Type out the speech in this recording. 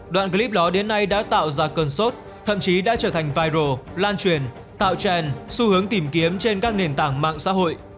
đoạn clip đó đến nay đã tạo ra cơn sốt thậm chí đã trở thành viro lan truyền tạo trèn xu hướng tìm kiếm trên các nền tảng mạng xã hội